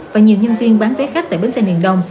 và nhiều nhân viên bán vé khách tại bến xe miền đông